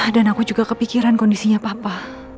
dan aku juga kepikiran kondisinya papa